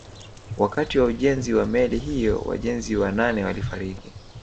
Wakati wa ujenzi wa meli hiyo wajenzi wanane walifariki